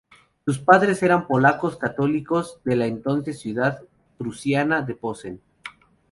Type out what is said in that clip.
Sus padres eran polacos católicos de la entonces ciudad prusiana de Posen.